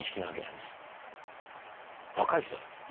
若い人だったの。